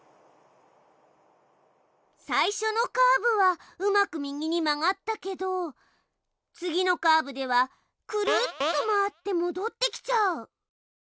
最初のカーブはうまく右に曲がったけど次のカーブではくるっと回ってもどってきちゃう！